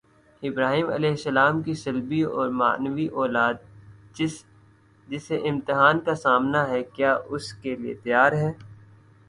ابراہیمؑ کی صلبی اور معنوی اولاد، جسے امتحان کا سامنا ہے، کیا اس کے لیے تیار ہے؟